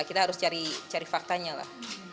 kita harus cari faktanya lah